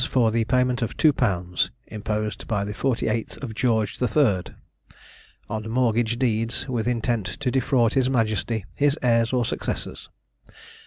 for the payment of two pounds, imposed by the 48th of George III. on mortgage deeds, with intent to defraud his Majesty, his heirs, or successors.